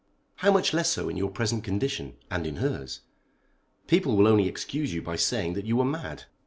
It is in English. How much less so in your present condition, and in hers. People will only excuse you by saying that you were mad.